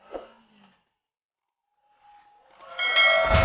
tiga dua satu